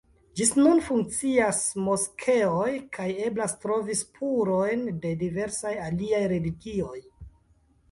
Ĝis nun funkcias moskeoj kaj eblas trovi spurojn de diversaj aliaj religioj.